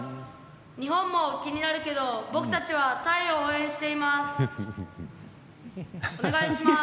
日本も気になるけど僕たちはタイを応援しています。